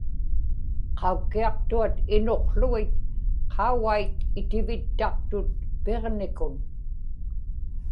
qaukkiaqtuat inuqługit qaugait itivittaqtut Piġnikun